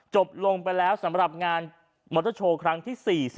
จบลงไปแล้วสำหรับงานมอเตอร์โชว์ครั้งที่๔๐